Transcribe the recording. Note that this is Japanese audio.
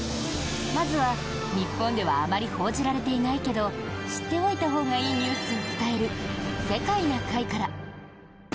まずは、日本ではあまり報じられていないけど知っておいたほうがいいニュースを伝える「世界な会」から。